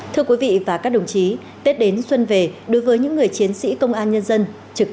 thưa quý vị và các đồng chí tết đến xuân về đối với những người chiến sĩ công an nhân dân trực